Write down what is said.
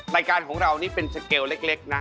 รายการของเรานี่เป็นสเกลเล็กนะ